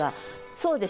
そうです。